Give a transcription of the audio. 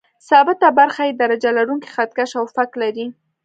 ثابته برخه یې درجه لرونکی خط کش او فک لري.